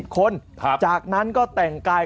คนจากนั้นก็แต่งกาย